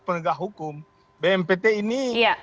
penegak hukum bnpt ini